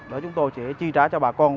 đó chúng tôi sẽ chi trả cho bà con